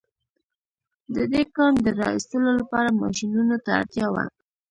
د دې کان د را ايستلو لپاره ماشينونو ته اړتيا وه.